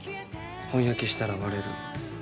本焼きしたら割れる。